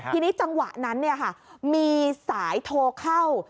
ทีนี้จังหวะนั้นมีสายโทรเข้า